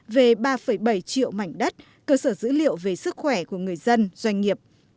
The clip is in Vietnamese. về ba bảy triệu mảnh đất cơ sở dữ liệu về sức khỏe của người dân doanh nghiệp